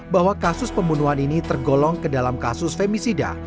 bahwa kasus pembunuhan ini tergolong ke dalam kasus femisida